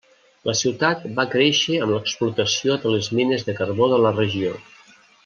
La ciutat va créixer amb l'explotació de les mines de carbó de la regió.